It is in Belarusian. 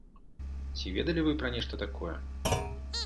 Ці ведалі вы пра нешта такое?